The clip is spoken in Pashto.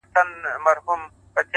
o درد زغمي،